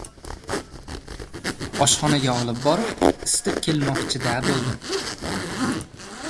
Oshxonaga olib borib isitib kelmoqchida bo‘ldi.